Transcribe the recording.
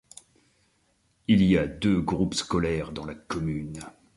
Il y a deux groupes scolaires dans la commune.